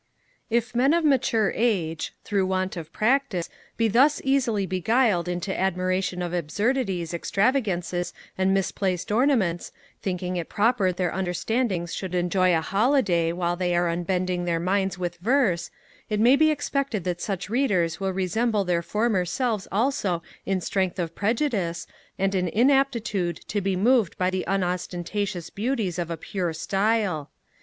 If Men of mature age, through want of practice, be thus easily beguiled into admiration of absurdities, extravagances, and misplaced ornaments, thinking it proper that their understandings should enjoy a holiday, while they are unbending their minds with verse, it may be expected that such Readers will resemble their former selves also in strength of prejudice, and an inaptitude to be moved by the unostentatious beauties of a pure style.